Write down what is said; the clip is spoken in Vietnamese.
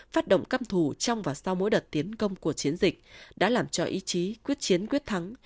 phát động căm thù trong và sau mỗi đợt tiến công của chiến dịch đã làm cho ý chí quyết chiến quyết thắng